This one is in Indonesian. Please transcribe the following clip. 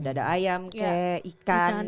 dada ayam kayak ikan